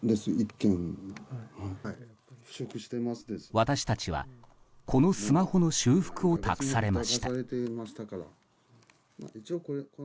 私たちは、このスマホの修復を託されました。